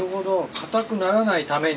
硬くならないために。